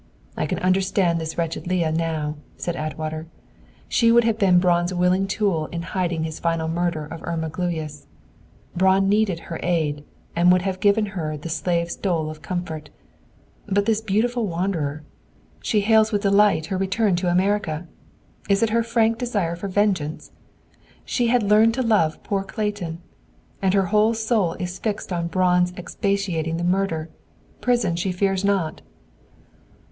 "I can understand this wretched Leah, now," said Atwater. "She would have been Braun's willing tool in hiding his final murder of Irma Gluyas. Braun needed her aid, and would have given her the slave's dole of comfort. But this beautiful wanderer! She hails with delight her return to America! Is it her frantic desire for vengeance? She had learned to love poor Clayton! And her whole soul is fixed on Braun expiating the murder. Prison she fears not."